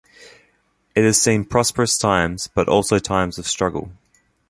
It has seen prosperous times, but also times of struggle.